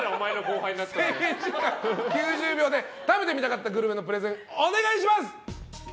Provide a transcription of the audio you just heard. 制限時間９０秒で食べてみたかったグルメのプレゼン、お願いします。